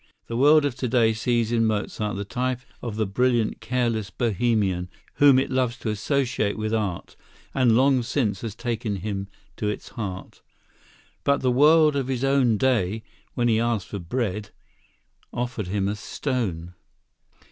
The world of to day sees in Mozart the type of the brilliant, careless Bohemian, whom it loves to associate with art, and long since has taken him to its heart. But the world of his own day, when he asked for bread, offered him a stone.